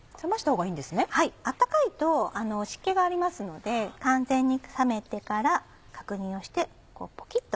はい温かいと湿気がありますので完全に冷めてから確認をしてこうポキっと。